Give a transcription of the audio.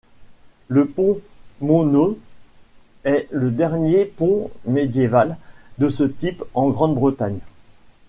Le pont Monnow est le dernier pont médiéval de ce type en Grande-Bretagne.